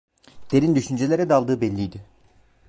Derin düşüncelere daldığı belliydi.